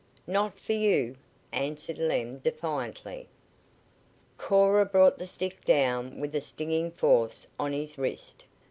"Not for you!" answered Lem defiantly. Cora brought the stick down with stinging force on his wrist.